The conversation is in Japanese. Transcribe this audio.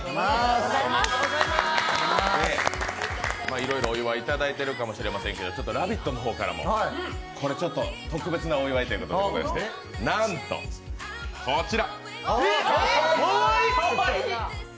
いろいろお祝いいただいているかもしれませんけど、ちょっと「ラヴィット！」の方からも特別なお祝いということでございまして、なんとこちら。